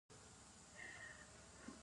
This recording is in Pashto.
د نیکروسس د حجرو مړینه ده.